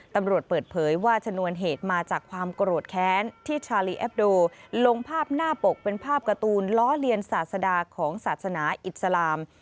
ตำรวจเปิดเผยว่าชนวนเหตุมาจากความโกรธแค้นที่ชาลีแอปโดลงภาพหน้าปกเป็นภาพการ์ตูนล้อเลียนศาสดาของศาสนาอิสลาม